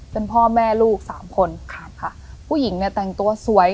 เป็นพ่อแม่ลูกสามคนครับค่ะผู้หญิงเนี่ยแต่งตัวสวย